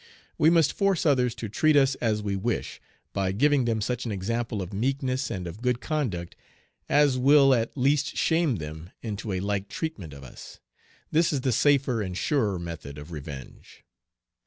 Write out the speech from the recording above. We must force others to treat us as we wish, by giving them such an example of meekness and of good conduct as will at least shame them into a like treatment of us. This is the safer and surer method of revenge.